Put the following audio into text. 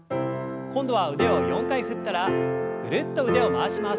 今度は腕を４回振ったらぐるっと腕を回します。